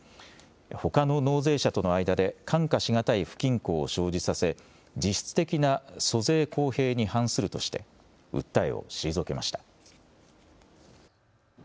ほかの納税者との間で看過しがたい不均衡を生じさせ実質的な租税公平に反するとして訴えを退けました。